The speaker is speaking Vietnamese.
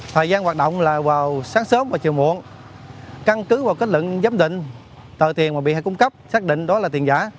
thời gian hoạt động là vào sáng sớm và chiều muộn căn cứ vào kết luận giám định tờ tiền mà bị hại cung cấp xác định đó là tiền giả